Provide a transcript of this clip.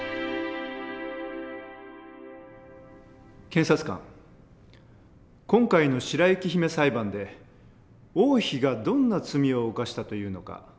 検察官今回の「白雪姫」裁判で王妃がどんな罪を犯したというのか述べて下さい。